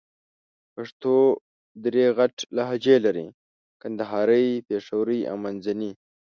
پښتو درې غټ لهجې لرې: کندهارۍ، پېښورۍ او منځني.